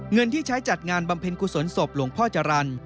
เงินที่ใช้จัดงานบำเพ็ญกุศลศพหลวงพ่อจรรย์